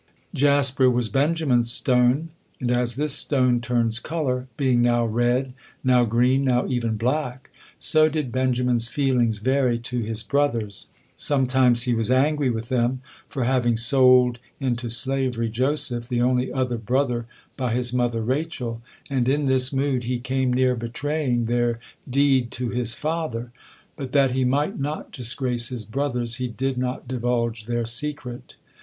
Jasper was Benjamin's stone, and as this stone turns color, being now red, now green, now even black, so did Benjamin's feelings vary to his brothers. Sometimes he was angry with them for having sold into slavery Joseph, the only other brother by his mother Rachel, and in this mood he came near betraying their deed to his father; but, that he might not disgrace his brothers, he did not divulge their secret.